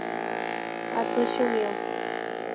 Atsushi Mio